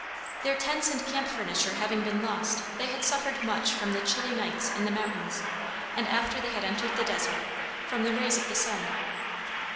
Their tents and camp furniture having been lost they had suffered much from the chilly nights in the mountains, and after they had entered the desert, from the rays of the sun.